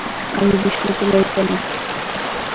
আমি বিস্মিত নই কেন?